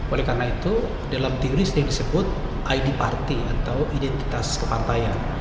oleh karena itu dalam teori sendiri disebut id party atau identitas kepantayan